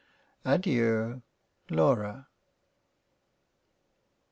Adeiu Laura.